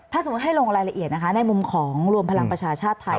ถ้าสมมุติให้ลงรายละเอียดนะคะในมุมของรวมพลังประชาชาติไทย